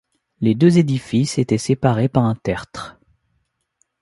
Les deux édifices étaient séparés par un tertre.